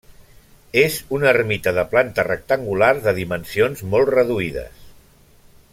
És una ermita de planta rectangular de dimensions molt reduïdes.